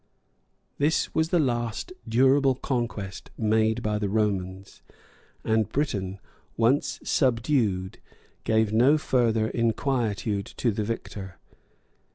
This was the last durable conquest made by the Romans, and Britain, once subdued, gave no further inquietude to the victor.